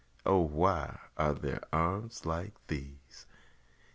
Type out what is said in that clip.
O why are there arms like these?